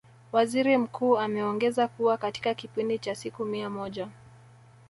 Waziri Mkuu ameongeza kuwa katika kipindi cha siku mia moja